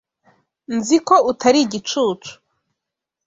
Nzi ko utari igicucu.